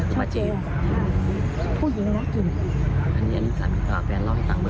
จำเจอผู้หญิงนักกิน